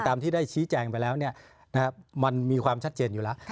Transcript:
ที่ได้ชี้แจงไปแล้วมันมีความชัดเจนอยู่แล้ว